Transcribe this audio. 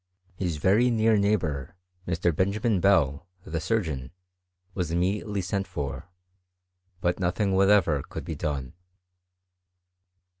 His very near neighbour, Mr. Benjamin Bell, the surgeon, was immediately sent for ; but no^ thing whatever could be done.